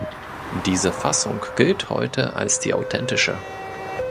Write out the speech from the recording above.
Diese Fassung gilt heute als die authentische.